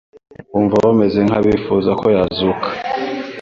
wumva bameze nk’abifuza ko yazuka